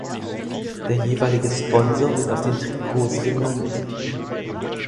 Der jeweilige Sponsor wird auf den Trikots genannt.